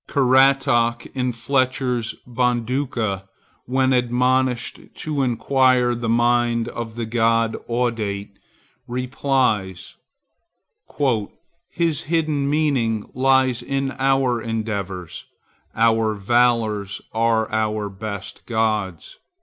Caratach, in Fletcher's Bonduca, when admonished to inquire the mind of the god Audate, replies,— "His hidden meaning lies in our endeavors; Our valors are our best gods."